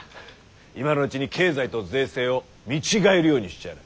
今のうちに経済と税制を見違えるようにしちゃる！